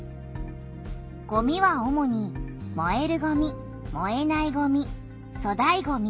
ごみは主にもえるごみもえないごみそだいごみ